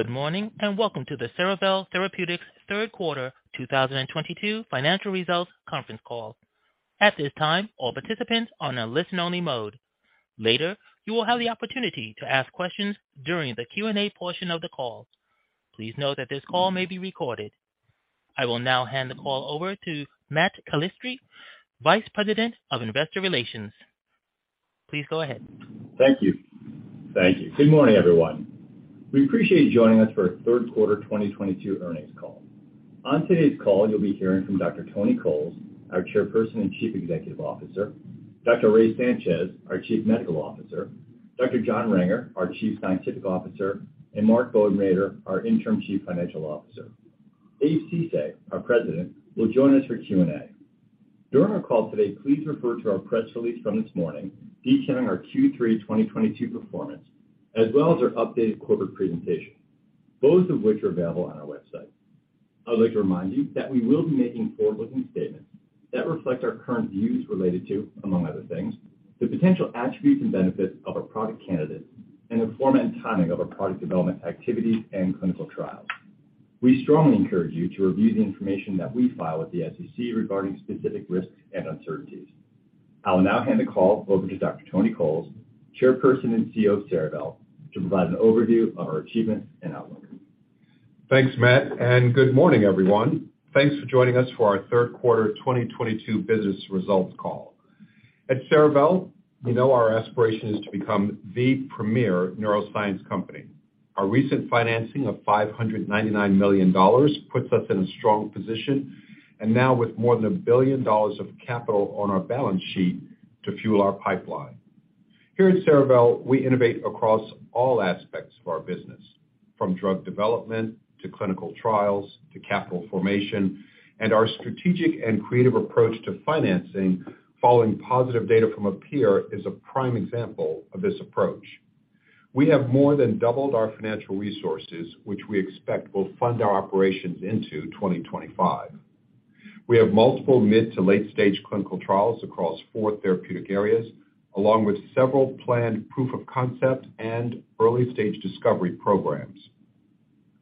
Good morning, welcome to the Cerevel Therapeutics third quarter 2022 financial results conference call. At this time, all participants are on a listen only mode. Later, you will have the opportunity to ask questions during the Q&A portion of the call. Please note that this call may be recorded. I will now hand the call over to Matthew Calistri, vice president of investor relations. Please go ahead. Thank you. Good morning, everyone. We appreciate you joining us for our third quarter 2022 earnings call. On today's call, you'll be hearing from Dr. Tony Coles, our Chairperson and Chief Executive Officer, Dr. Ray Sanchez, our Chief Medical Officer, Dr. John Renger, our Chief Scientific Officer, and Mark Bodenreider, our Interim Chief Financial Officer. Ceesay, our president, will join us for Q&A. During our call today, please refer to our press release from this morning detailing our Q3 2022 performance, as well as our updated quarter presentation, both of which are available on our website. I'd like to remind you that we will be making forward-looking statements that reflect our current views related to, among other things, the potential attributes and benefits of our product candidates and the format and timing of our product development activities and clinical trials. We strongly encourage you to review the information that we file with the SEC regarding specific risks and uncertainties. I will now hand the call over to Dr. Tony Coles, Chairperson and CEO of Cerevel, to provide an overview of our achievements and outlook. Thanks, Matt, good morning, everyone. Thanks for joining us for our third quarter 2022 business results call. At Cerevel, you know our aspiration is to become the premier neuroscience company. Our recent financing of $599 million puts us in a strong position now with more than a billion dollars of capital on our balance sheet to fuel our pipeline. Here at Cerevel, we innovate across all aspects of our business, from drug development to clinical trials to capital formation, our strategic and creative approach to financing following positive data from a peer is a prime example of this approach. We have more than doubled our financial resources, which we expect will fund our operations into 2025. We have multiple mid to late-stage clinical trials across four therapeutic areas, along with several planned proof of concept and early-stage discovery programs.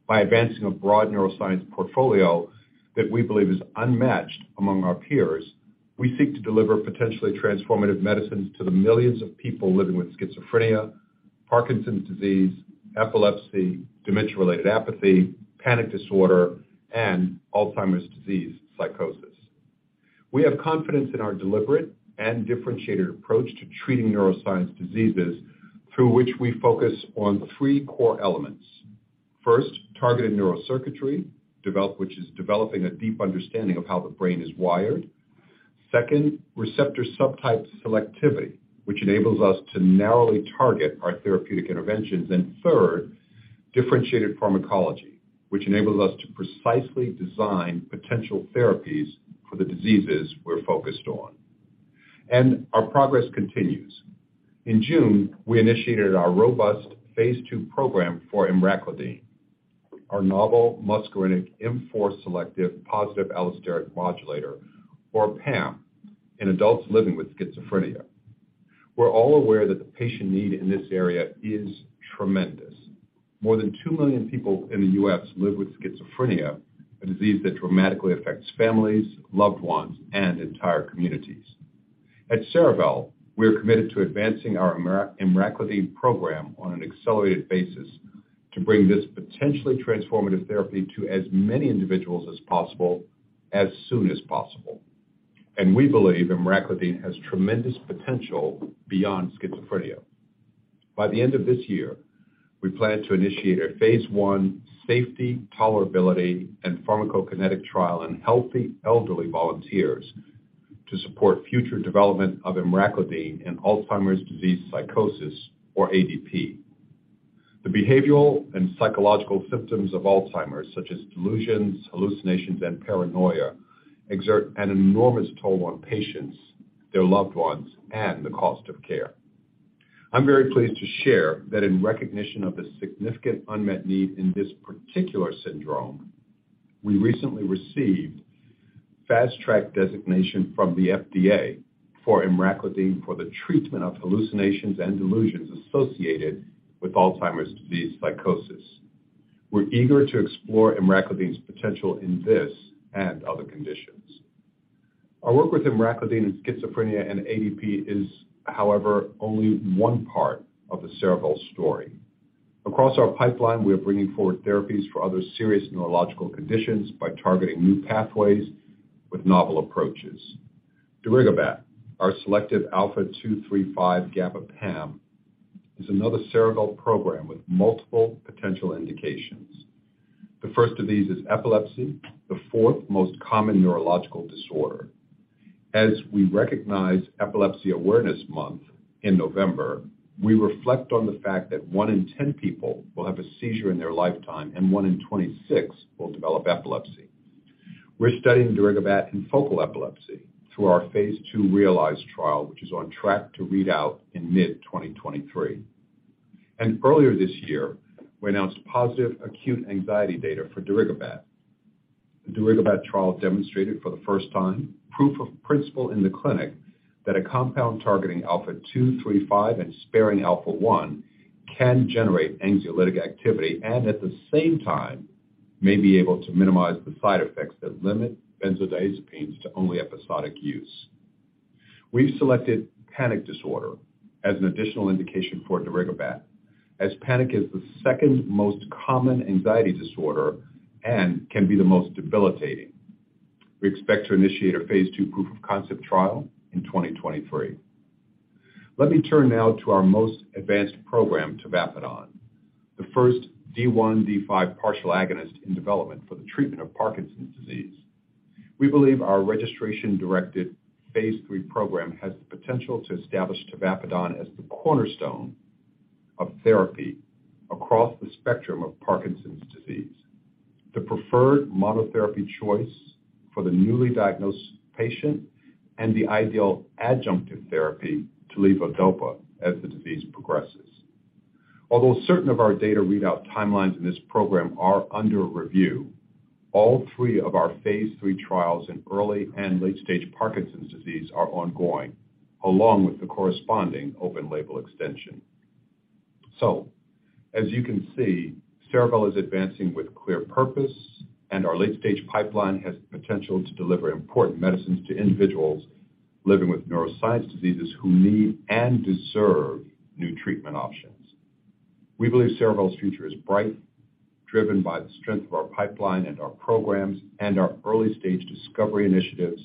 By advancing a broad neuroscience portfolio that we believe is unmatched among our peers, we seek to deliver potentially transformative medicines to the millions of people living with schizophrenia, Parkinson's disease, epilepsy, dementia-related apathy, panic disorder, and Alzheimer's disease psychosis. We have confidence in our deliberate and differentiated approach to treating neuroscience diseases through which we focus on three core elements. First, targeted neurocircuitry, which is developing a deep understanding of how the brain is wired. Second, receptor subtype selectivity, which enables us to narrowly target our therapeutic interventions. Third, differentiated pharmacology, which enables us to precisely design potential therapies for the diseases we're focused on. Our progress continues. In June, we initiated our robust phase II program for emraclidine, our novel muscarinic M4 selective positive allosteric modulator, or PAM, in adults living with schizophrenia. We're all aware that the patient need in this area is tremendous. More than 2 million people in the U.S. live with schizophrenia, a disease that dramatically affects families, loved ones, and entire communities. At Cerevel, we're committed to advancing our emraclidine program on an accelerated basis to bring this potentially transformative therapy to as many individuals as possible, as soon as possible. We believe emraclidine has tremendous potential beyond schizophrenia. By the end of this year, we plan to initiate a phase I safety, tolerability, and pharmacokinetic trial in healthy elderly volunteers to support future development of emraclidine in Alzheimer's disease psychosis, or ADP. The behavioral and psychological symptoms of Alzheimer's, such as delusions, hallucinations, and paranoia, exert an enormous toll on patients, their loved ones, and the cost of care. I'm very pleased to share that in recognition of the significant unmet need in this particular syndrome, we recently received fast track designation from the FDA for emraclidine for the treatment of hallucinations and delusions associated with Alzheimer's disease psychosis. We're eager to explore emraclidine's potential in this and other conditions. Our work with emraclidine in schizophrenia and ADP is, however, only one part of the Cerevel story. Across our pipeline, we are bringing forward therapies for other serious neurological conditions by targeting new pathways with novel approaches. Darigabat, our selective alpha-2/3/5 GABA PAM, is another Cerevel program with multiple potential indications. The first of these is epilepsy, the fourth most common neurological disorder. As we recognize Epilepsy Awareness Month in November, we reflect on the fact that one in 10 people will have a seizure in their lifetime and one in 26 will develop epilepsy. We're studying darigabat in focal epilepsy through our phase II REALIZE trial, which is on track to read out in mid 2023. Earlier this year, we announced positive acute anxiety data for darigabat. The darigabat trial demonstrated for the first time proof of principle in the clinic that a compound targeting alpha-2/3/5 and sparing alpha-1 can generate anxiolytic activity, and at the same time may be able to minimize the side effects that limit benzodiazepines to only episodic use. We've selected panic disorder as an additional indication for darigabat, as panic is the second most common anxiety disorder and can be the most debilitating. We expect to initiate a phase II proof of concept trial in 2023. Let me turn now to our most advanced program, tavapadon, the first D1/D5 partial agonist in development for the treatment of Parkinson's disease. We believe our registration-directed phase III program has the potential to establish tavapadon as the cornerstone of therapy across the spectrum of Parkinson's disease, the preferred monotherapy choice for the newly diagnosed patient, and the ideal adjunctive therapy to levodopa as the disease progresses. Although certain of our data readout timelines in this program are under review, all three of our phase III trials in early and late stage Parkinson's disease are ongoing, along with the corresponding open-label extension. As you can see, Cerevel is advancing with clear purpose, and our late-stage pipeline has the potential to deliver important medicines to individuals living with neuroscience diseases who need and deserve new treatment options. We believe Cerevel's future is bright, driven by the strength of our pipeline and our programs and our early-stage discovery initiatives,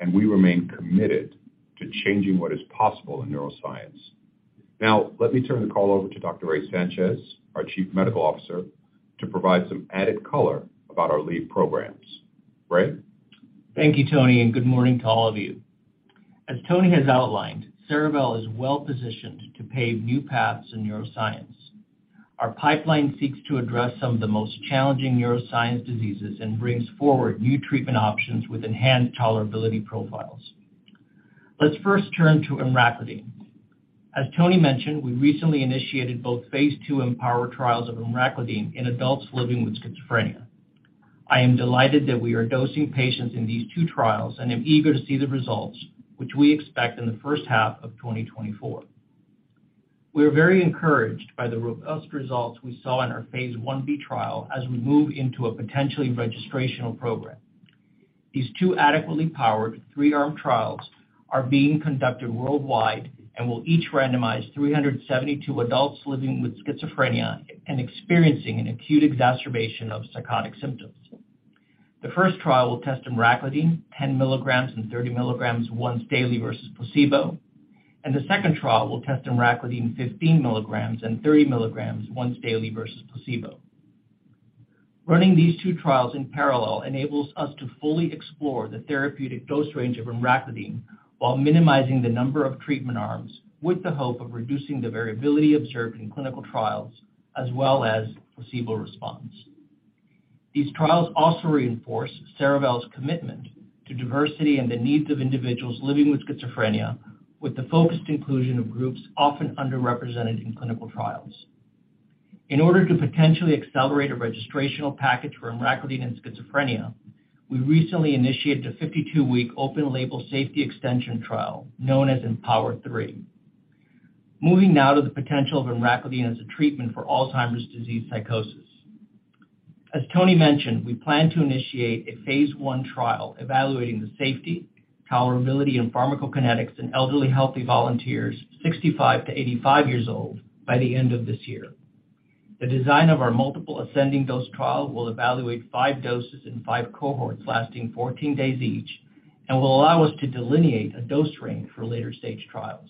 and we remain committed to changing what is possible in neuroscience. Let me turn the call over to Dr. Raymond Sanchez, our Chief Medical Officer, to provide some added color about our lead programs. Ray. Thank you, Tony. Good morning to all of you. As Tony has outlined, Cerevel is well-positioned to pave new paths in neuroscience. Our pipeline seeks to address some of the most challenging neuroscience diseases and brings forward new treatment options with enhanced tolerability profiles. Let's first turn to emraclidine. As Tony mentioned, we recently initiated both phase II EMPOWER trials of emraclidine in adults living with schizophrenia. I am delighted that we are dosing patients in these two trials and am eager to see the results, which we expect in the first half of 2024. We are very encouraged by the robust results we saw in our phase I-B trial as we move into a potentially registrational program. These two adequately powered, three-armed trials are being conducted worldwide and will each randomize 372 adults living with schizophrenia and experiencing an acute exacerbation of psychotic symptoms. The first trial will test emraclidine 10 milligrams and 30 milligrams once daily versus placebo, and the second trial will test emraclidine 15 milligrams and 30 milligrams once daily versus placebo. Running these two trials in parallel enables us to fully explore the therapeutic dose range of emraclidine while minimizing the number of treatment arms with the hope of reducing the variability observed in clinical trials, as well as placebo response. These trials also reinforce Cerevel's commitment to diversity and the needs of individuals living with schizophrenia, with the focused inclusion of groups often underrepresented in clinical trials. In order to potentially accelerate a registrational package for emraclidine and schizophrenia, we recently initiated a 52-week open-label safety extension trial known as EMPOWER-3. Moving now to the potential of emraclidine as a treatment for Alzheimer's disease psychosis. As Tony mentioned, we plan to initiate a phase I trial evaluating the safety, tolerability, and pharmacokinetics in elderly healthy volunteers 65 to 85 years old by the end of this year. The design of our multiple ascending dose trial will evaluate five doses in five cohorts lasting 14 days each and will allow us to delineate a dose range for later stage trials.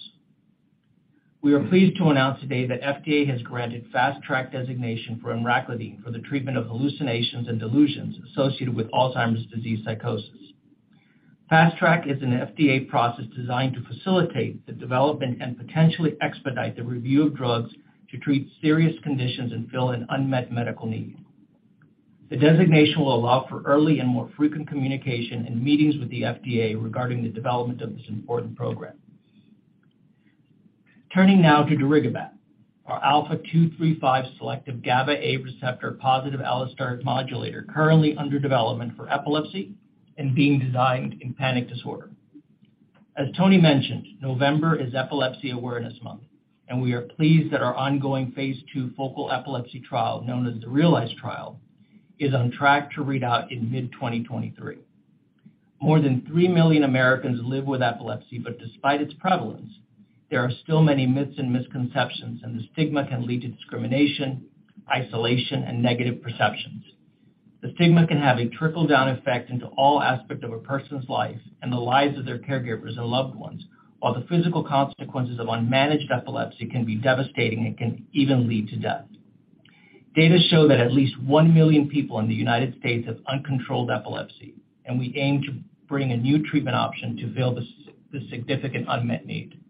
We are pleased to announce today that FDA has granted Fast Track designation for emraclidine for the treatment of hallucinations and delusions associated with Alzheimer's disease psychosis. Fast Track is an FDA process designed to facilitate the development and potentially expedite the review of drugs to treat serious conditions and fill an unmet medical need. The designation will allow for early and more frequent communication and meetings with the FDA regarding the development of this important program. Turning now to darigabat, our alpha-2/3/5 selective GABA-A receptor positive allosteric modulator currently under development for epilepsy and being designed in panic disorder. As Tony mentioned, November is Epilepsy Awareness Month, and we are pleased that our ongoing phase II focal epilepsy trial, known as the REALIZE trial, is on track to read out in mid-2023. More than 3 million Americans live with epilepsy, but despite its prevalence, there are still many myths and misconceptions, and the stigma can lead to discrimination, isolation, and negative perceptions. The stigma can have a trickle-down effect into all aspect of a person's life and the lives of their caregivers and loved ones. While the physical consequences of unmanaged epilepsy can be devastating and can even lead to death. Data show that at least 1 million people in the U.S. have uncontrolled epilepsy, and we aim to bring a new treatment option to fill this significant unmet need.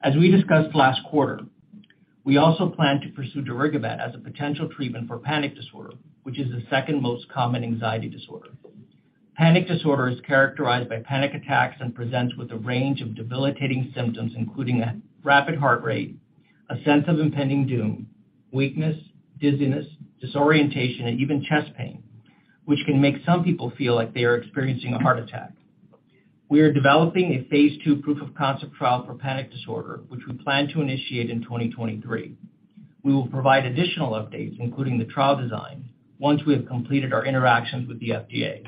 As we discussed last quarter, we also plan to pursue darigabat as a potential treatment for panic disorder, which is the second most common anxiety disorder. Panic disorder is characterized by panic attacks and presents with a range of debilitating symptoms, including a rapid heart rate, a sense of impending doom, weakness, dizziness, disorientation, and even chest pain, which can make some people feel like they are experiencing a heart attack. We are developing a phase II proof of concept trial for panic disorder, which we plan to initiate in 2023. We will provide additional updates, including the trial design, once we have completed our interactions with the FDA.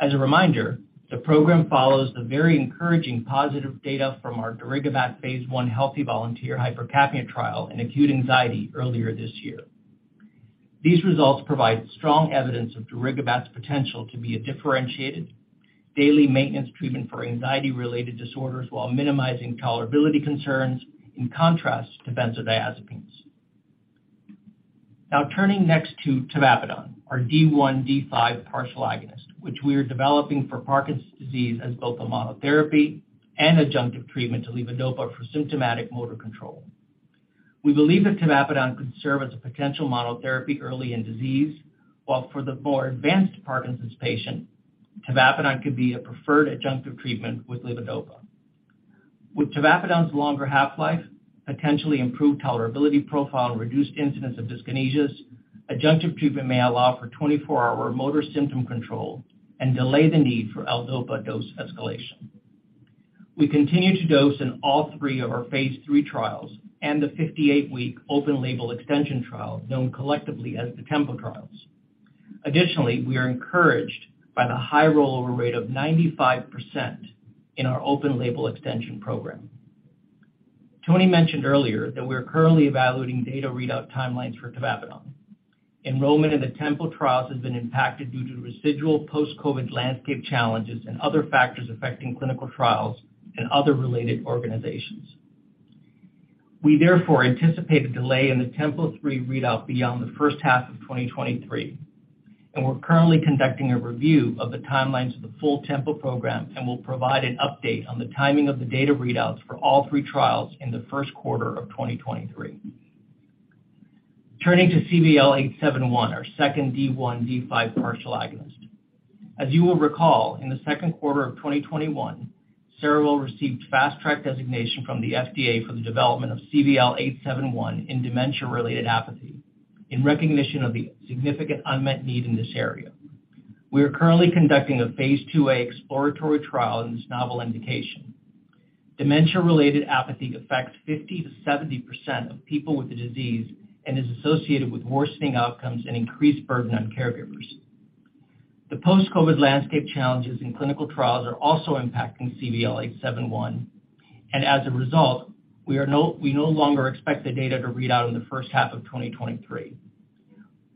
As a reminder, the program follows the very encouraging positive data from our darigabat phase I healthy volunteer hypercapnia trial in acute anxiety earlier this year. These results provide strong evidence of darigabat's potential to be a differentiated daily maintenance treatment for anxiety-related disorders while minimizing tolerability concerns, in contrast to benzodiazepines. Turning next to tavapadon, our D1/D5 partial agonist, which we are developing for Parkinson's disease as both a monotherapy and adjunctive treatment to levodopa for symptomatic motor control. We believe that tavapadon could serve as a potential monotherapy early in disease, while for the more advanced Parkinson's patient, tavapadon could be a preferred adjunctive treatment with levodopa. With tavapadon's longer half-life, potentially improved tolerability profile, and reduced incidence of dyskinesias, adjunctive treatment may allow for 24-hour motor symptom control and delay the need for L-dopa dose escalation. We continue to dose in all three of our phase III trials and the 58-week open label extension trial, known collectively as the TEMPO trials. Additionally, we are encouraged by the high rollover rate of 95% in our open label extension program. Tony mentioned earlier that we are currently evaluating data readout timelines for tavapadon. Enrollment in the TEMPO trials has been impacted due to residual post-COVID landscape challenges and other factors affecting clinical trials and other related organizations. We therefore anticipate a delay in the TEMPO3 readout beyond the first half of 2023, and we're currently conducting a review of the timelines of the full TEMPO program and will provide an update on the timing of the data readouts for all three trials in the first quarter of 2023. Turning to CVL-871, our second D1/D5 partial agonist. As you will recall, in the second quarter of 2021, Cerevel received Fast Track designation from the FDA for the development of CVL-871 in dementia-related apathy in recognition of the significant unmet need in this area. We are currently conducting a phase IIa exploratory trial in this novel indication. Dementia-related apathy affects 50%-70% of people with the disease and is associated with worsening outcomes and increased burden on caregivers. The post-COVID landscape challenges in clinical trials are also impacting CVL-871, and as a result, we no longer expect the data to read out in the first half of 2023.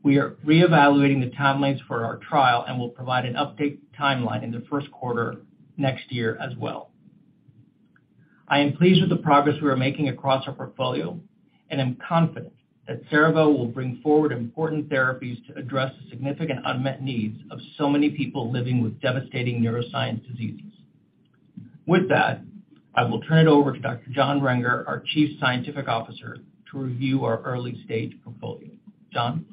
We are reevaluating the timelines for our trial and will provide an update timeline in the first quarter next year as well. I am pleased with the progress we are making across our portfolio and am confident that Cerevel will bring forward important therapies to address the significant unmet needs of so many people living with devastating neuroscience diseases. With that, I will turn it over to Dr. John Renger, our Chief Scientific Officer, to review our early stage portfolio. John?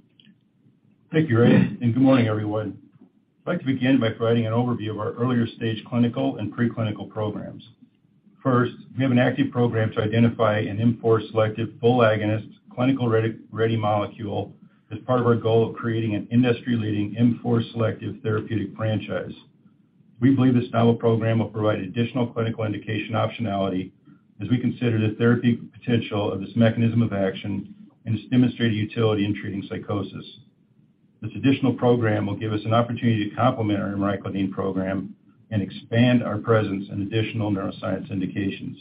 Thank you, Ray, and good morning, everyone. I'd like to begin by providing an overview of our earlier stage clinical and pre-clinical programs. First, we have an active program to identify an M4-selective full agonist clinical-ready molecule as part of our goal of creating an industry-leading M4-selective therapeutic franchise. We believe this novel program will provide additional clinical indication optionality as we consider the therapeutic potential of this mechanism of action and its demonstrated utility in treating psychosis. This additional program will give us an opportunity to complement our emraclidine program and expand our presence in additional neuroscience indications.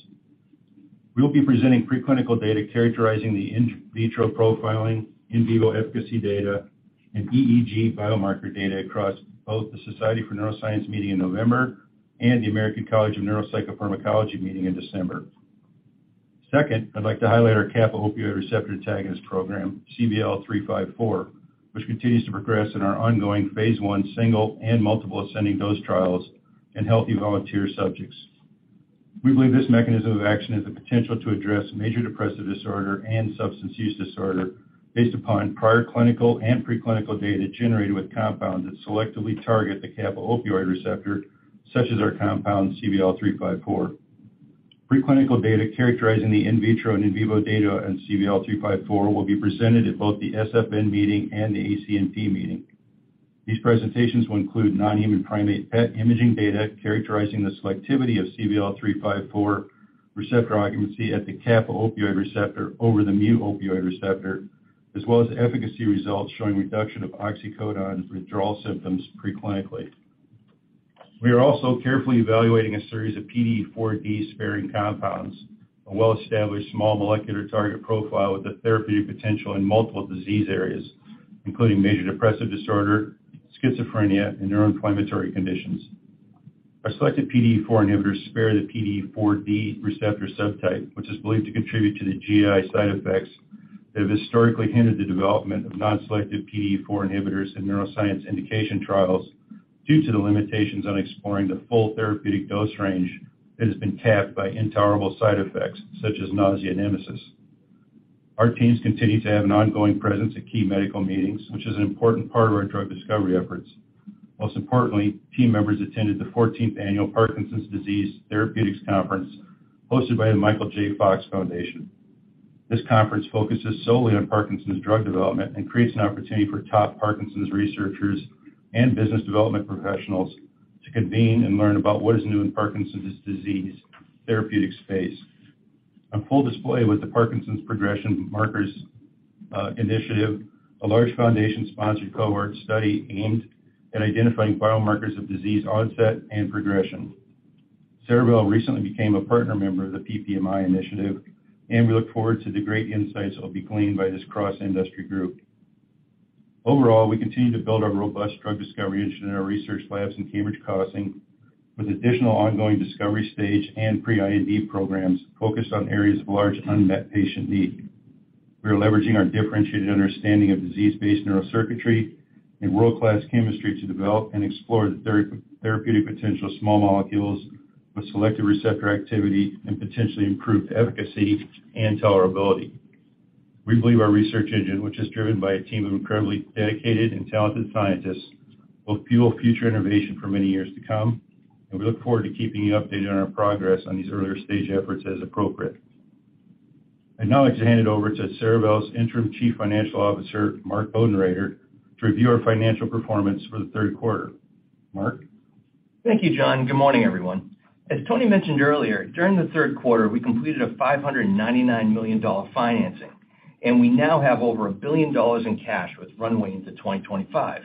We will be presenting pre-clinical data characterizing the in vitro profiling, in vivo efficacy data, and EEG biomarker data across both the Society for Neuroscience meeting in November and the American College of Neuropsychopharmacology meeting in December. Second, I'd like to highlight our kappa-opioid receptor antagonist program, CVL-354, which continues to progress in our ongoing phase I single and multiple ascending dose trials in healthy volunteer subjects. We believe this mechanism of action has the potential to address major depressive disorder and substance use disorder based upon prior clinical and pre-clinical data generated with compounds that selectively target the kappa opioid receptor, such as our compound CVL-354. Pre-clinical data characterizing the in vitro and in vivo data in CVL-354 will be presented at both the SFN meeting and the ACNP meeting. These presentations will include non-human primate PET imaging data characterizing the selectivity of CVL-354 receptor occupancy at the kappa opioid receptor over the mu opioid receptor, as well as efficacy results showing reduction of oxycodone withdrawal symptoms pre-clinically. We are also carefully evaluating a series of PDE4D-sparing compounds, a well-established small molecular target profile with a therapeutic potential in multiple disease areas, including major depressive disorder, schizophrenia, and neuroinflammatory conditions. Our selected PDE4 inhibitors spare the PDE4D receptor subtype, which is believed to contribute to the GI side effects that have historically hindered the development of non-selective PDE4 inhibitors in neuroscience indication trials due to the limitations on exploring the full therapeutic dose range that has been capped by intolerable side effects such as nausea and emesis. Our teams continue to have an ongoing presence at key medical meetings, which is an important part of our drug discovery efforts. Most importantly, team members attended the 14th Annual Parkinson's Disease Therapeutics Conference hosted by The Michael J. Fox Foundation. This conference focuses solely on Parkinson's drug development and creates an opportunity for top Parkinson's researchers and business development professionals to convene and learn about what is new in Parkinson's disease therapeutics space. On full display was the Parkinson's Progression Markers Initiative, a large foundation-sponsored cohort study aimed at identifying biomarkers of disease onset and progression. Cerevel recently became a partner member of the PPMI Initiative, and we look forward to the great insights that will be gleaned by this cross-industry group. Overall, we continue to build our robust drug discovery engine in our research labs in Cambridge, Massachusetts, with additional ongoing discovery stage and pre-IND programs focused on areas of large unmet patient need. We are leveraging our differentiated understanding of disease-based neural circuitry and world-class chemistry to develop and explore the therapeutic potential of small molecules with selected receptor activity and potentially improved efficacy and tolerability. We believe our research engine, which is driven by a team of incredibly dedicated and talented scientists, will fuel future innovation for many years to come. We look forward to keeping you updated on our progress on these earlier-stage efforts as appropriate. I'd now like to hand it over to Cerevel's Interim Chief Financial Officer, Mark Bodenrader, to review our financial performance for the third quarter. Mark? Thank you, John. Good morning, everyone. As Tony mentioned earlier, during the third quarter, we completed a $599 million financing, and we now have over $1 billion in cash with runway into 2025.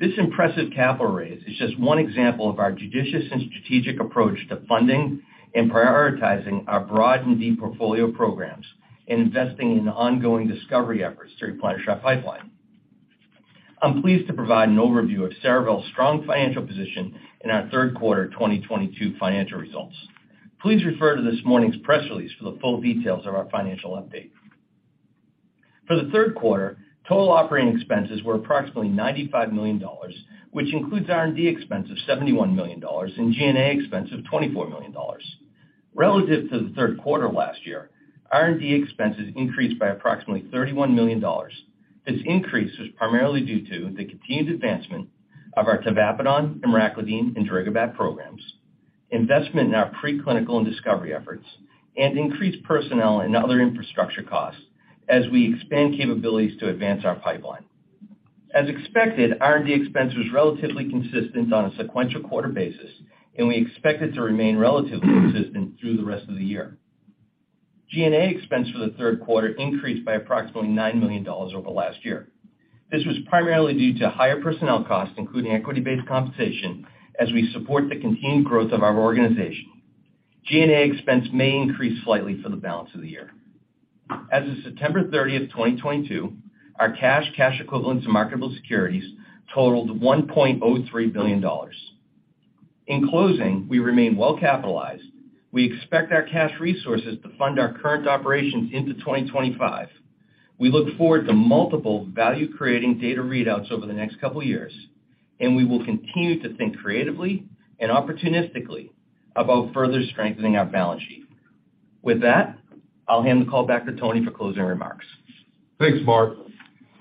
This impressive capital raise is just one example of our judicious and strategic approach to funding and prioritizing our broad and deep portfolio programs and investing in ongoing discovery efforts to replenish our pipeline. I'm pleased to provide an overview of Cerevel's strong financial position and our third quarter 2022 financial results. Please refer to this morning's press release for the full details of our financial update. For the third quarter, total operating expenses were approximately $95 million, which includes R&D expense of $71 million and G&A expense of $24 million. Relative to the third quarter last year, R&D expenses increased by approximately $31 million. This increase was primarily due to the continued advancement of our tavapadon, emraclidine, and darigabat programs, investment in our preclinical and discovery efforts, and increased personnel and other infrastructure costs as we expand capabilities to advance our pipeline. As expected, R&D expense was relatively consistent on a sequential quarter basis, and we expect it to remain relatively consistent through the rest of the year. G&A expense for the third quarter increased by approximately $9 million over last year. This was primarily due to higher personnel costs, including equity-based compensation, as we support the continued growth of our organization. G&A expense may increase slightly for the balance of the year. As of September 30th, 2022, our cash equivalents, and marketable securities totaled $1.03 billion. In closing, we remain well-capitalized. We expect our cash resources to fund our current operations into 2025. We look forward to multiple value-creating data readouts over the next couple of years. We will continue to think creatively and opportunistically about further strengthening our balance sheet. With that, I'll hand the call back to Tony for closing remarks. Thanks, Mark.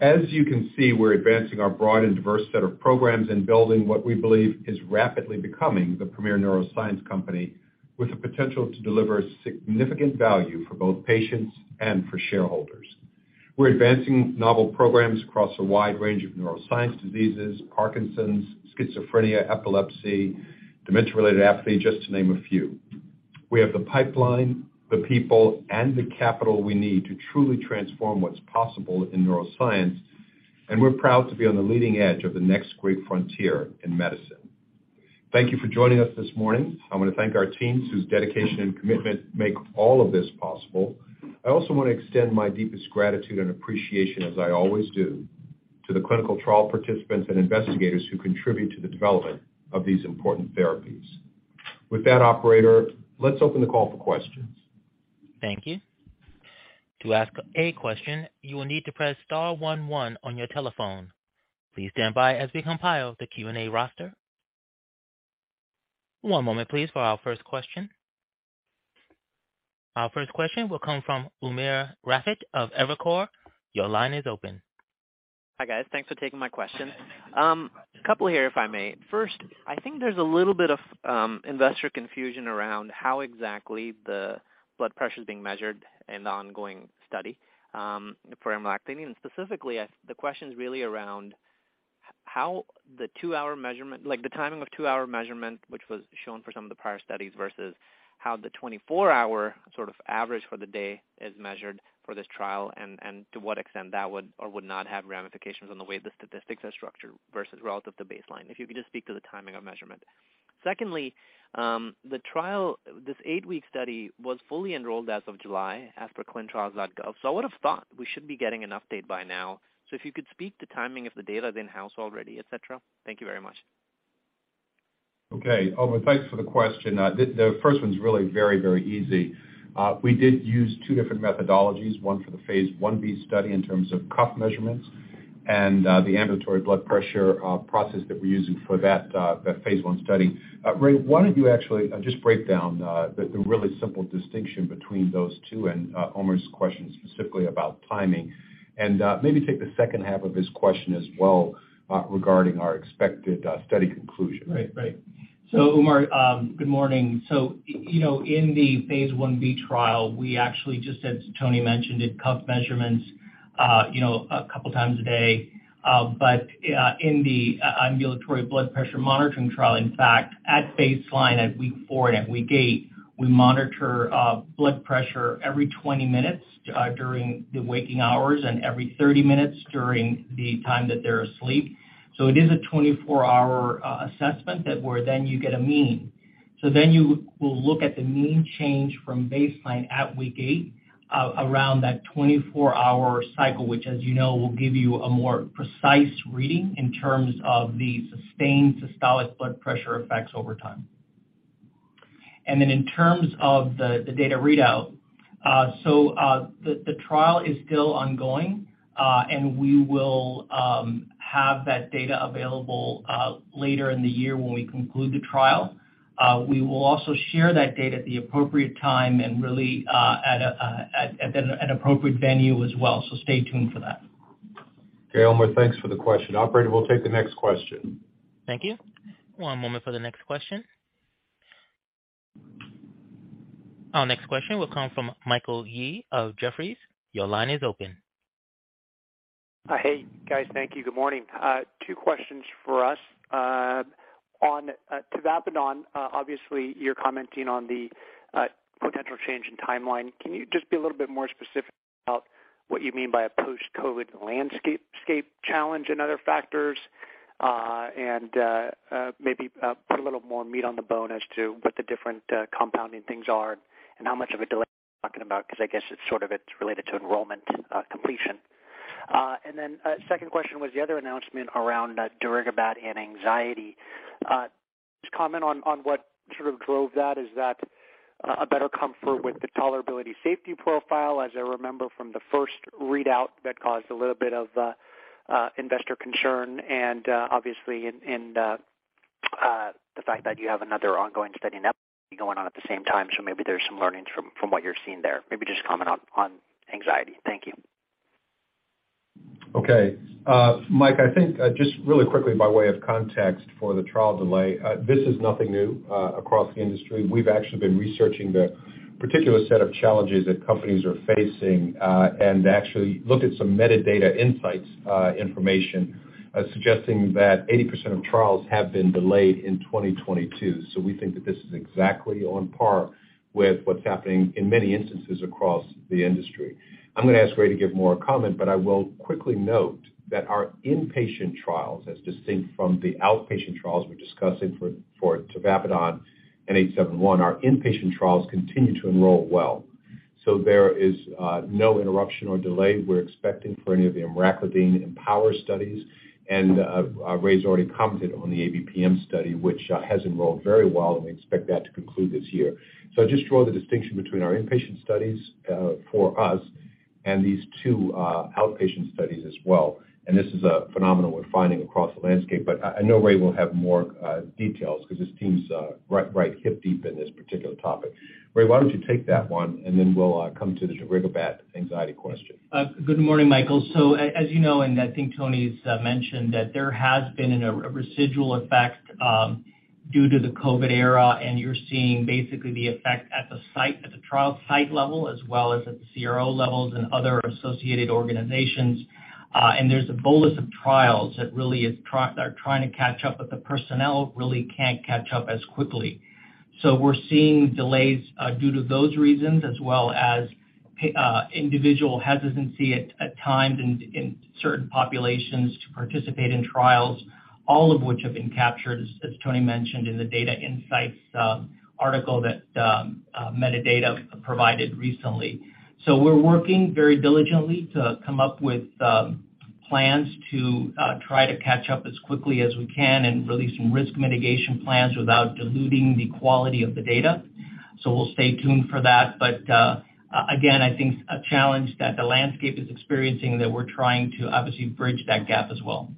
As you can see, we're advancing our broad and diverse set of programs and building what we believe is rapidly becoming the premier neuroscience company with the potential to deliver significant value for both patients and for shareholders. We're advancing novel programs across a wide range of neuroscience diseases, Parkinson's, schizophrenia, epilepsy, dementia-related apathy, just to name a few. We have the pipeline, the people, and the capital we need to truly transform what's possible in neuroscience. We're proud to be on the leading edge of the next great frontier in medicine. Thank you for joining us this morning. I want to thank our teams, whose dedication and commitment make all of this possible. I also want to extend my deepest gratitude and appreciation, as I always do, to the clinical trial participants and investigators who contribute to the development of these important therapies. With that, operator, let's open the call for questions. Thank you. To ask a question, you will need to press * one one on your telephone. Please stand by as we compile the Q&A roster. One moment, please, for our first question. Our first question will come from Umer Raffat of Evercore. Your line is open. Hi, guys. Thanks for taking my question. Couple here, if I may. First, I think there's a little bit of investor confusion around how exactly the blood pressure is being measured in the ongoing study for emraclidine. Specifically, the question is really around how the timing of two-hour measurement, which was shown for some of the prior studies, versus how the 24-hour average for the day is measured for this trial, and to what extent that would or would not have ramifications on the way the statistics are structured versus relative to baseline. If you could just speak to the timing of measurement. Secondly, this eight-week study was fully enrolled as of July, as per clinicaltrials.gov. I would've thought we should be getting an update by now. If you could speak to timing of the data in-house already, et cetera. Thank you very much. Okay. Umair, thanks for the question. The first one's really very, very easy. We did use two different methodologies, one for the phase I-B study in terms of cuff measurements The ABPM process that we're using for that phase I study. Ray, why don't you actually just break down the really simple distinction between those two and Umair's question specifically about timing, and maybe take the second half of his question as well regarding our expected study conclusion. Umair, good morning. In the phase I-B trial, we actually just, as Tony mentioned, did cuff measurements a couple of times a day. But in the ABPM trial, in fact, at baseline, at week four and at week eight, we monitor blood pressure every 20 minutes during the waking hours and every 30 minutes during the time that they're asleep. It is a 24-hour assessment that where then you get a mean. You will look at the mean change from baseline at week eight around that 24-hour cycle, which as you know, will give you a more precise reading in terms of the sustained systolic blood pressure effects over time. In terms of the data readout, the trial is still ongoing, and we will have that data available later in the year when we conclude the trial. We will also share that data at the appropriate time and really at an appropriate venue as well. Stay tuned for that. Okay, Umair, thanks for the question. Operator, we'll take the next question. Thank you. One moment for the next question. Our next question will come from Michael Yee of Jefferies. Your line is open. Hey, guys. Thank you. Good morning. Two questions for us. On tavapadon, obviously, you're commenting on the potential change in timeline. Maybe put a little more meat on the bone as to what the different compounding things are and how much of a delay we're talking about, because I guess it's sort of it's related to enrollment completion. Then second question was the other announcement around Darigabat and anxiety. Just comment on what sort of drove that. Is that a better comfort with the tolerability safety profile? As I remember from the first readout that caused a little bit of investor concern and obviously the fact that you have another ongoing study now going on at the same time. Maybe there's some learnings from what you're seeing there. Maybe just comment on anxiety. Thank you. Okay. Mike, I think just really quickly by way of context for the trial delay, this is nothing new across the industry. We've actually been researching the particular set of challenges that companies are facing and actually looked at some Medidata insights information suggesting that 80% of trials have been delayed in 2022. We think that this is exactly on par with what's happening in many instances across the industry. I'm going to ask Ray to give more comment, but I will quickly note that our inpatient trials, as distinct from the outpatient trials we're discussing for tavapadon N-871, our inpatient trials continue to enroll well. There is no interruption or delay we're expecting for any of the emraclidine EMPOWER studies. Ray's already commented on the ABPM study, which has enrolled very well, and we expect that to conclude this year. Just draw the distinction between our inpatient studies for us and these two outpatient studies as well. This is a phenomenon we're finding across the landscape, but I know Ray will have more details because his team's right hip deep in this particular topic. Ray, why don't you take that one, and then we'll come to the Darigabat anxiety question. Good morning, Michael. As you know, and I think Tony's mentioned that there has been a residual effect due to the COVID era, and you're seeing basically the effect at the trial site level as well as at the CRO levels and other associated organizations. There's a bolus of trials that really are trying to catch up, but the personnel really can't catch up as quickly. We're seeing delays due to those reasons as well as individual hesitancy at times in certain populations to participate in trials, all of which have been captured, as Tony mentioned, in the data insights article that Metadata provided recently. We're working very diligently to come up with plans to try to catch up as quickly as we can and release some risk mitigation plans without diluting the quality of the data. We'll stay tuned for that. Again, I think a challenge that the landscape is experiencing that we're trying to obviously bridge that gap as well.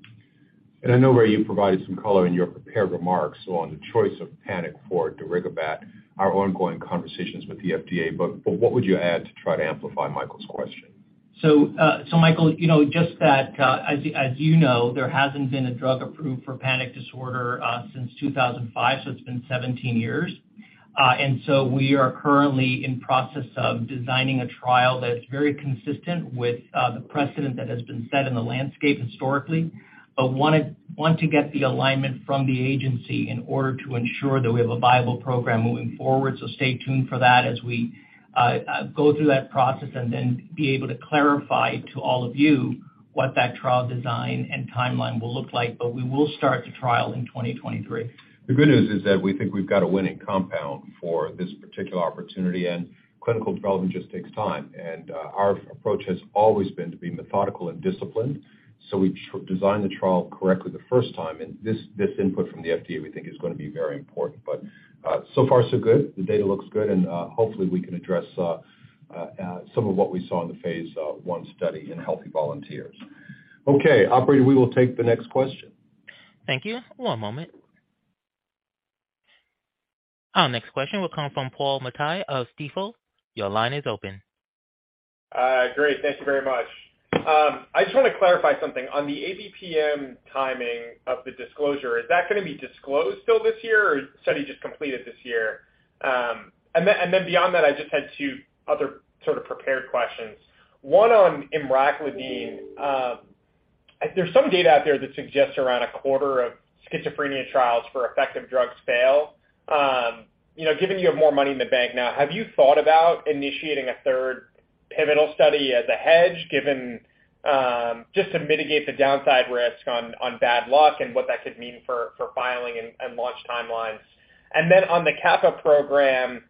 I know, Ray, you provided some color in your prepared remarks on the choice of PANIC for Darigabat, our ongoing conversations with the FDA. What would you add to try to amplify Michael's question? Michael, just that as you know, there hasn't been a drug approved for panic disorder since 2005. It's been 17 years. We are currently in process of designing a trial that is very consistent with the precedent that has been set in the landscape historically, want to get the alignment from the agency in order to ensure that we have a viable program moving forward. Stay tuned for that as we go through that process and be able to clarify to all of you what that trial design and timeline will look like. We will start the trial in 2023. The good news is that we think we've got a winning compound for this particular opportunity, clinical development just takes time. Our approach has always been to be methodical and disciplined. We design the trial correctly the first time, this input from the FDA we think is going to be very important. So far so good. The data looks good, hopefully we can address some of what we saw in the phase I study in healthy volunteers. Okay, operator, we will take the next question. Thank you. One moment. Our next question will come from Paul Matteis of Stifel. Your line is open. Great. Thank you very much. I just want to clarify something. On the ABPM timing of the disclosure, is that going to be disclosed still this year, or is the study just completed this year? Beyond that, I just had two other prepared questions. One on emraclidine. There's some data out there that suggests around a quarter of schizophrenia trials for effective drugs fail. Given you have more money in the bank now, have you thought about initiating a third pivotal study as a hedge, just to mitigate the downside risk on bad luck and what that could mean for filing and launch timelines? On the kappa program,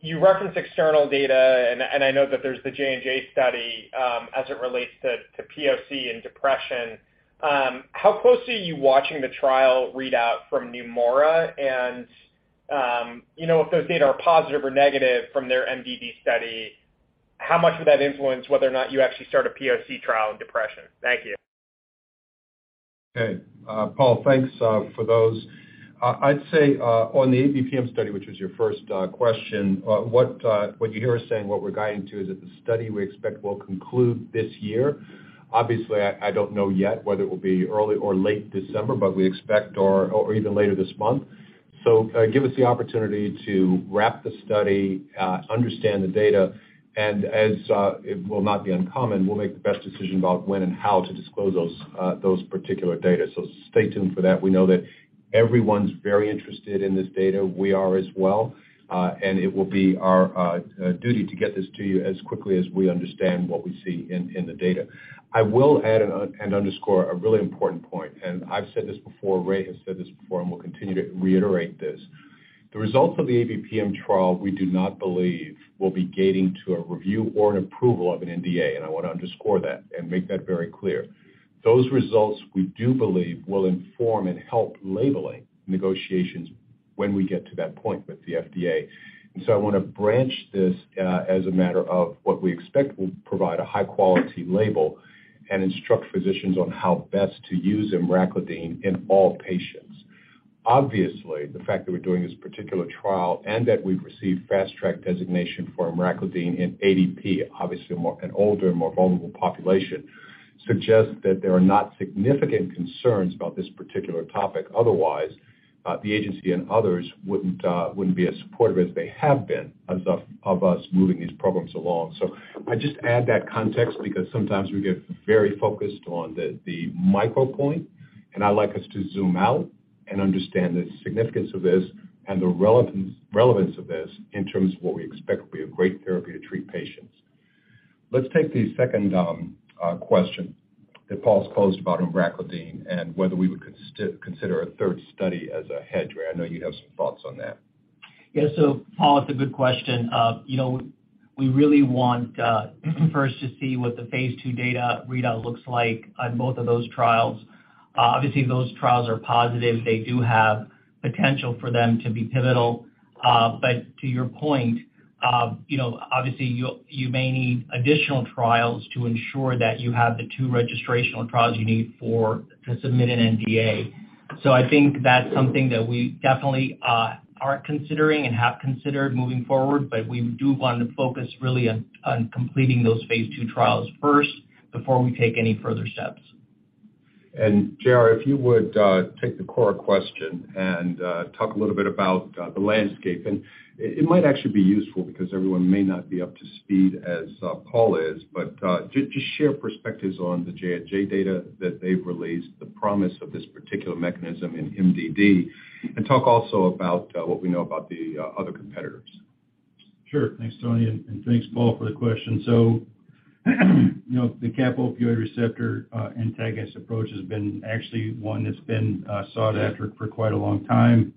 you reference external data, I know that there's the J&J study as it relates to POC and depression. How closely are you watching the trial readout from Neumora? If those data are positive or negative from their MDD study, how much would that influence whether or not you actually start a POC trial in depression? Thank you. Okay. Paul, thanks for those. I'd say on the ABPM study, which was your first question, what you hear us saying, what we're guiding to, is that the study we expect will conclude this year. Obviously, I don't know yet whether it will be early or late December, but we expect or even later this month. Give us the opportunity to wrap the study, understand the data, and as it will not be uncommon, we'll make the best decision about when and how to disclose those particular data. Stay tuned for that. We know that everyone's very interested in this data. We are as well, and it will be our duty to get this to you as quickly as we understand what we see in the data. I will add and underscore a really important point. I've said this before, Ray has said this before, we'll continue to reiterate this. The results of the ABPM trial, we do not believe will be gating to a review or an approval of an NDA. I want to underscore that and make that very clear. Those results, we do believe, will inform and help labeling negotiations when we get to that point with the FDA. I want to branch this as a matter of what we expect will provide a high-quality label and instruct physicians on how best to use emraclidine in all patients. Obviously, the fact that we're doing this particular trial and that we've received fast track designation for emraclidine in ADP, obviously an older, more vulnerable population, suggests that there are not significant concerns about this particular topic. Otherwise, the agency and others wouldn't be as supportive as they have been of us moving these programs along. I just add that context because sometimes we get very focused on the micro point. I'd like us to zoom out and understand the significance of this and the relevance of this in terms of what we expect will be a great therapy to treat patients. Let's take the second question that Paul's posed about emraclidine and whether we would consider a third study as a hedge. Ray, I know you have some thoughts on that. Yeah. Paul, it's a good question. We really want first to see what the phase II data readout looks like on both of those trials. Obviously, if those trials are positive, they do have potential for them to be pivotal. To your point, obviously, you may need additional trials to ensure that you have the two registrational trials you need to submit an NDA. I think that's something that we definitely are considering and have considered moving forward. We do want to focus really on completing those phase II trials first before we take any further steps. J.R., if you would take the core question and talk a little bit about the landscape. It might actually be useful because everyone may not be up to speed as Paul is. Just share perspectives on the J&J data that they've released, the promise of this particular mechanism in MDD, and talk also about what we know about the other competitors. Sure. Thanks, Tony, and thanks, Paul, for the question. The kappa-opioid receptor antagonist approach has been actually one that's been sought after for quite a long time.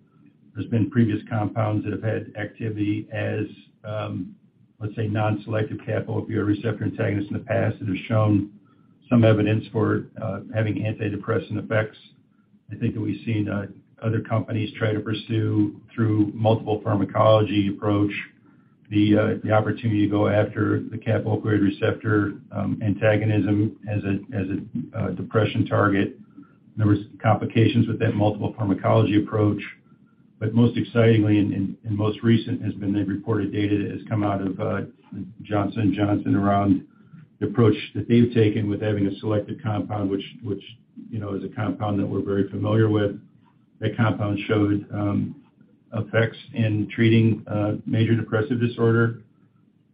There's been previous compounds that have had activity as, let's say, non-selective kappa-opioid receptor antagonists in the past that have shown some evidence for having antidepressant effects. I think that we've seen other companies try to pursue through multiple pharmacology approach the opportunity to go after the kappa-opioid receptor antagonism as a depression target. There was complications with that multiple pharmacology approach. Most excitingly and most recent has been the reported data that has come out of Johnson & Johnson around the approach that they've taken with having a selected compound, which is a compound that we're very familiar with. That compound showed effects in treating major depressive disorder.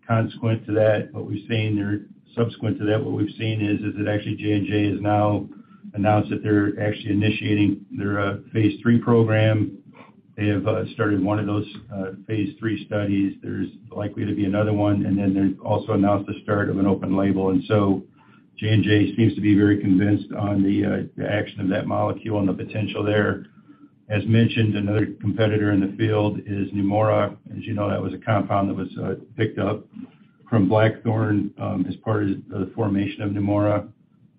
Subsequent to that, what we've seen is that actually J&J has now announced that they're actually initiating their phase III program. They have started one of those phase III studies. There's likely to be another one, and then they've also announced the start of an open label. J&J seems to be very convinced on the action of that molecule and the potential there. As mentioned, another competitor in the field is Neumora. As you know, that was a compound that was picked up from BlackThorn as part of the formation of Neumora.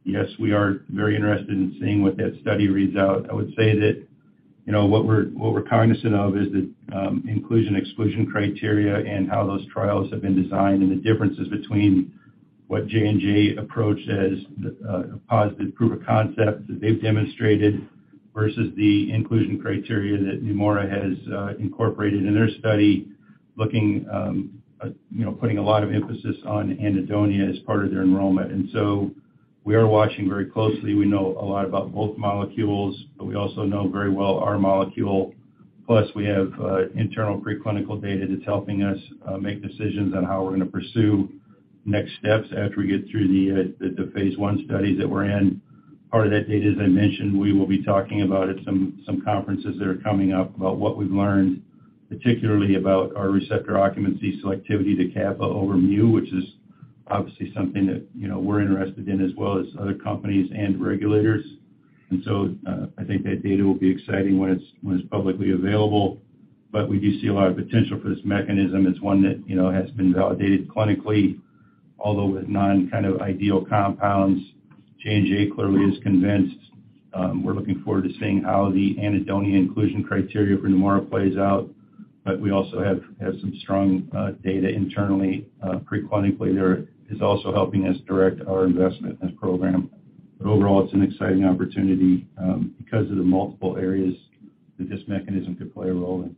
Yes, we are very interested in seeing what that study reads out. I would say that what we're cognizant of is the inclusion/exclusion criteria and how those trials have been designed and the differences between what J&J approached as a positive proof of concept that they've demonstrated versus the inclusion criteria that Neumora has incorporated in their study, putting a lot of emphasis on anhedonia as part of their enrollment. We are watching very closely. We know a lot about both molecules, but we also know very well our molecule. Plus, we have internal preclinical data that's helping us make decisions on how we're going to pursue next steps after we get through the phase I studies that we're in. Part of that data, as I mentioned, we will be talking about at some conferences that are coming up about what we've learned, particularly about our receptor occupancy selectivity to kappa over mu, which is obviously something that we're interested in as well as other companies and regulators. I think that data will be exciting when it's publicly available. We do see a lot of potential for this mechanism. It's one that has been validated clinically, although with non-ideal compounds. J&J clearly is convinced. We're looking forward to seeing how the anhedonia inclusion criteria for Neumora plays out. We also have some strong data internally. Preclinically, there is also helping us direct our investment in this program. Overall, it's an exciting opportunity because of the multiple areas that this mechanism could play a role in.